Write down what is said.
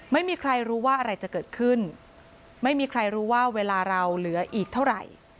ไม่มีใครรู้ว่าอะไรจะเกิดขึ้นไม่มีใครรู้ว่าเวลาเราเหลืออีกเท่าไหร่